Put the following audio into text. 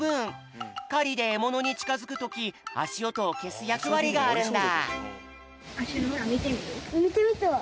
かりでえものにちかづくときあしおとをけすやくわりがあるんだ。